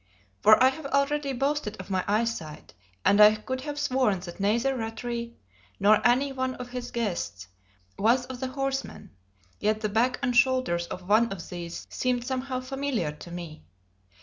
For I have already boasted of my eyesight, and I could have sworn that neither Rattray nor any one of his guests was of the horsemen; yet the back and shoulders of one of these seemed somehow familiar to me.